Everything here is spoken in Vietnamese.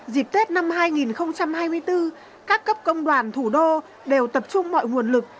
dịp tết năm hai nghìn hai mươi bốn các cấp công đoàn thủ đô đều tập trung mọi nguồn lực